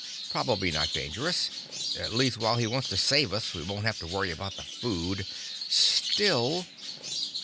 Probably not dangerous. At least, while he wants to save us, we won't have to worry about the food. Still...."